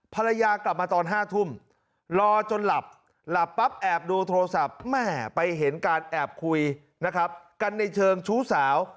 ภรรยากลับมาตอน๕ทุ่มรอจนหลับหลับปั๊บแอบดูโทรศัพท์แม่ไปเห็นการแอบคุยนะครับกันในเชิงชู้สาว